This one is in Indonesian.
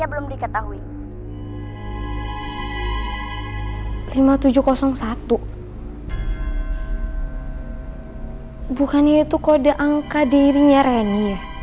bukannya itu kode angka dirinya reni ya